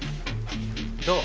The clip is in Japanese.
どう？